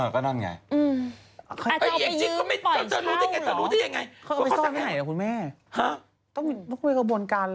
เขาขายจนชุดไม่กี่บาท